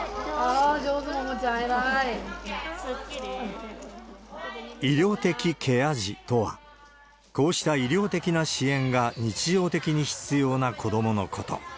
あー、上手、ももちゃん、医療的ケア児とは、こうした医療的な支援が日常的に必要な子どものこと。